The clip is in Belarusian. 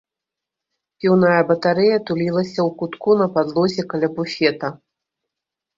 Піўная батарэя тулілася ў кутку на падлозе каля буфета.